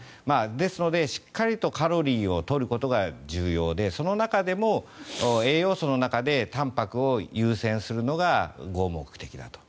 ですのでしっかりとカロリーを取ることが重要でその中でも栄養素の中でたんぱくを優先するのが合目的だと。